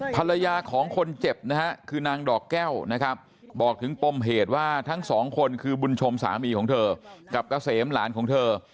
ภรรยาของคนเจ็บนะฮะคือนางดอกแก้วนะครับบอกถึงปมเหตุว่าทั้งสองคนคือบุญชมสามีของเธอกับเกษมหลานของเธอ